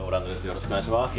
よろしくお願いします。